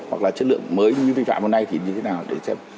hoặc là chất lượng mới như vi phạm hôm nay thì như thế nào để xem